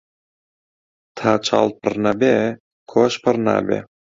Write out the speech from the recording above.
تا چاڵ پڕ نەبێ کۆش پڕ نابێ